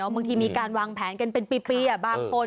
บางทีมีการวางแผนกันเป็นปีบางคน